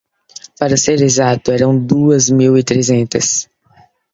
Para ser exato eram duas mil e trezentas.